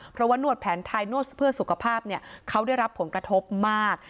เพราะว่านวดแผนไทยนวดเพื่อสุขภาพเขาได้รับผลกระทบมาก